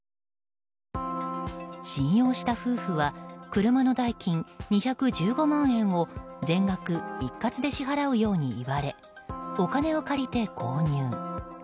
信用した夫婦は車の代金２１５万円を全額一括で支払うように言われお金を借りて購入。